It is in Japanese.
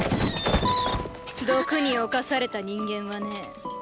毒に侵された人間はね